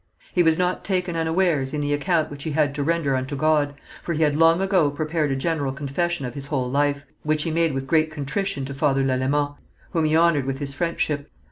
He was not taken unawares in the account which he had to render unto God, for he had long ago prepared a general confession of his whole life, which he made with great contrition to Father Lalemant, whom he honoured with his friendship.